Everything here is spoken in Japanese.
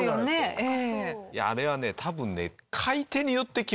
あれはね多分ね。